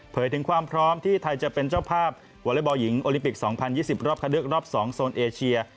ถึงความพร้อมที่ไทยจะเป็นเจ้าภาพวอเล็กบอลหญิงโอลิมปิก๒๐๒๐รอบคัดเลือกรอบ๒โซนเอเชีย